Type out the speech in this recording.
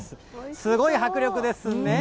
すごい迫力ですね。